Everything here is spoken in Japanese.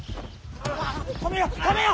止めよ！